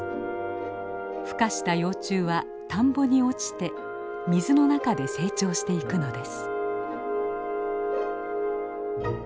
孵化した幼虫は田んぼに落ちて水の中で成長していくのです。